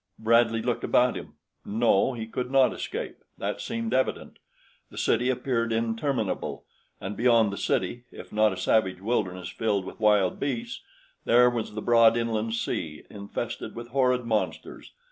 Bradley looked about him. No, he could not escape that seemed evident. The city appeared interminable, and beyond the city, if not a savage wilderness filled with wild beasts, there was the broad inland sea infested with horrid monsters.